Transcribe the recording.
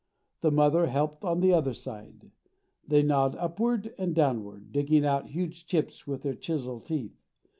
The mother helped on the other side. They gnawed upward and downward, digging out huge chips with their chisel teeth.